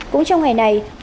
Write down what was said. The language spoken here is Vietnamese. cũng trong ngày này